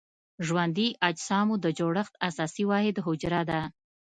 ژوندي اجسامو د جوړښت اساسي واحد حجره ده.